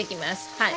はい。